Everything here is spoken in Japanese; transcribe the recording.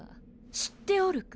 知っておるか？